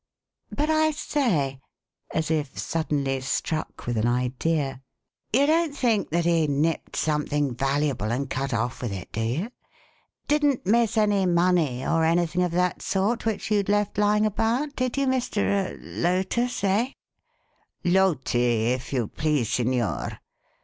But, I say" as if suddenly struck with an idea "you don't think that he nipped something valuable and cut off with it, do you? Didn't miss any money or anything of that sort which you'd left lying about, did you, Mr. er Lotus, eh?" "Loti, if you please, signor.